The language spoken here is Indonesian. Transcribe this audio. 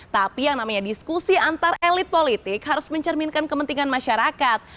tapi yang namanya diskusi antar elit politik harus mencerminkan kepentingan masyarakat